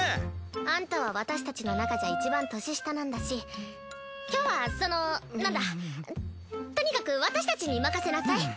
アンタは私たちのなかじゃいちばん年下なんだし今日はそのなんだとにかく私たちに任せなさい。